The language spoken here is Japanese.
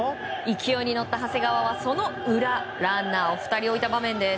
勢いに乗った長谷川はその裏ランナーを２人置いた場面です。